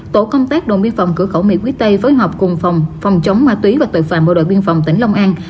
tổ công tác đồn biên phòng cửa khẩu mỹ quý tây với họp cùng phòng chống ma túy và tội phạm bộ đội biên phòng tỉnh long an